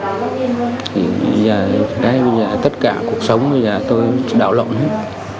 thì bây giờ tất cả cuộc sống bây giờ tôi đảo lộn hết